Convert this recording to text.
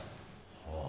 はあ。